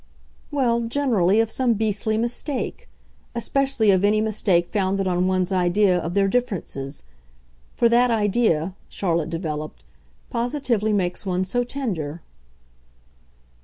"Well, generally, of some beastly mistake. Especially of any mistake founded on one's idea of their difference. For that idea," Charlotte developed, "positively makes one so tender."